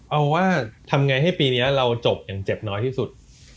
เอาว่าทำไงให้ปีนี้เราจบอย่างเจ็บน้อยที่สุด